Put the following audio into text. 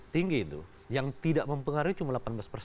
tinggi itu yang tidak mempengaruhi cuma